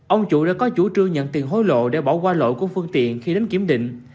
ông chủ đã có chủ trương nhận tiền hối lộ để bỏ qua lỗi của phương tiện khi đến kiểm định